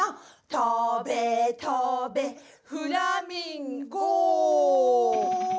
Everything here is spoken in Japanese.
「とべとべ」「フラミンゴ」